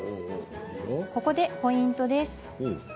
ここでポイントです。